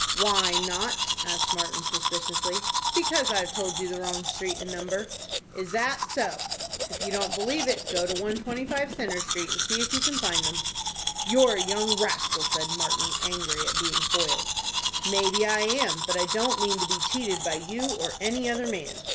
"Why not?" asked Martin suspiciously. "Because I've told you the wrong street and number." "Is that so?" "If you don't believe it, go to 125 Centre Street, and see if you can find them." "You're a young rascal," said Martin, angry at being foiled. "Maybe I am; but I don't mean to be cheated by you or any other man."